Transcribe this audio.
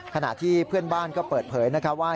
ขณะที่เพื่อนบ้านก็เปิดเผยว่า